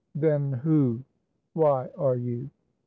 Then who, why are you?